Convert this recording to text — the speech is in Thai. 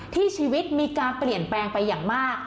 ชีวิตมีการเปลี่ยนแปลงไปอย่างมาก